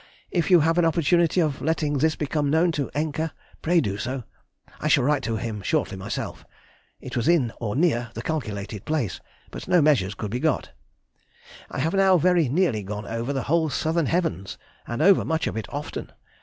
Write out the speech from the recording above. If you have an opportunity of letting this become known to Encke, pray do so—(I shall write to him shortly myself). It was in or near the calculated place, but no measures could be got. I have now very nearly gone over the whole southern heavens, and over much of it often.